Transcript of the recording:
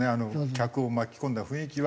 客を巻き込んだ雰囲気は。